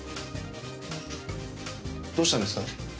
どうしたんですか？